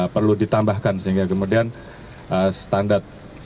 perlu ditambahkan sehingga kemudian standar